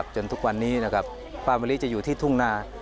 จนทุกวันนี้ป้ามลิจะอยู่ที่ทุ่งหน้า